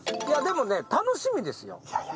いやでもね楽しみですよ。